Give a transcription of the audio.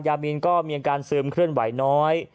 ยามีนก็มีอาการซึมเคลื่อนไหวน้อย